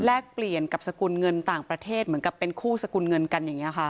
เปลี่ยนกับสกุลเงินต่างประเทศเหมือนกับเป็นคู่สกุลเงินกันอย่างนี้ค่ะ